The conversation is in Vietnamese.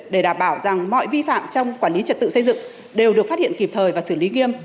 để đảm bảo rằng mọi vi phạm trong quản lý trật tự xây dựng đều được phát hiện kịp thời và xử lý nghiêm